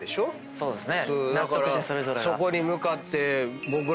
そうっすね。